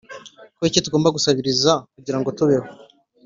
Kubera iki tugomba gusabiriza kugira ngo tubeho